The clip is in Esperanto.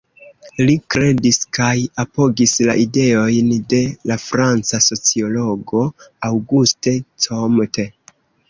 Li kredis kaj apogis la ideojn de la franca sociologo, Auguste Comte.